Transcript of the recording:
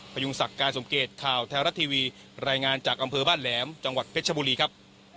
พยุงศักดิ์การสมเกตข่าวแท้รัฐทีวีรายงานจากอำเภอบ้านแหลมจังหวัดเพชรชบุรีครับ